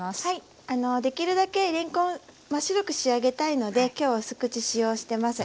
できるだけれんこん真っ白く仕上げたいので今日はうす口使用してます。